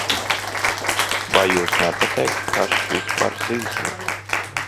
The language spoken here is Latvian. Vai jūs nepateiktu, kas šis par zizli?